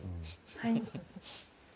はい。